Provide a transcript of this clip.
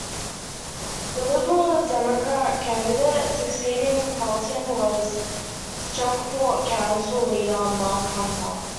The Liberal Democrat candidate succeeding Calton was Stockport council leader Mark Hunter.